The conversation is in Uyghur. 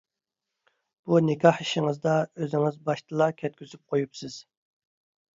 بۇ نىكاھ ئىشىڭىزدا ئۆزىڭىز باشتىلا كەتكۈزۈپ قويۇپسىز.